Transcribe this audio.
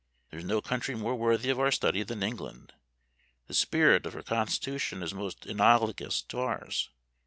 There is no country more worthy of our study than England. The spirit of her constitution is most analogous to ours.